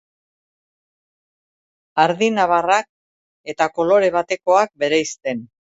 Ardi nabarrak eta kolore batekoak bereizten.